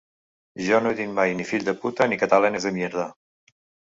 Jo no he dit mai ni ‘fill de puta’ ni ‘catalanes de mierda’.